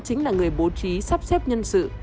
chính là người bố trí sắp xếp nhân sự